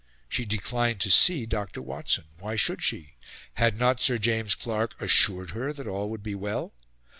She declined to see Dr. Watson. Why should she? Had not Sir James Clark assured her that all would be well?